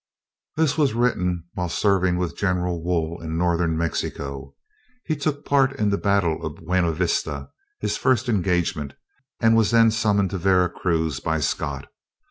This was written while serving with General Wool in northern Mexico. He took part in the battle of Buena Vista, his first engagement, and was then summoned to Vera Cruz by Scott.